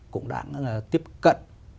cũng đang tiếp cận